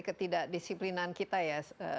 ketidakdisiplinan kita ya